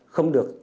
không được ưng ý